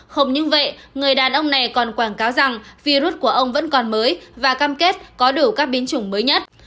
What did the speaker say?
không những vậy người đàn ông này còn quảng cáo rằng virus của ông vẫn còn mới và cam kết có đủ các biến chủng mới nhất